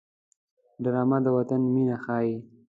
ډرامه د وطن مینه ښيي